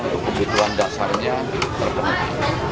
untuk kebutuhan dasarnya terkenal